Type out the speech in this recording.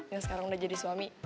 yang sekarang udah jadi suami